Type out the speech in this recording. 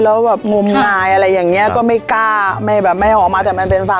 แล้วแบบงมงายอะไรอย่างเงี้ยก็ไม่กล้าไม่แบบไม่ออกมาแต่มันเป็นไฟ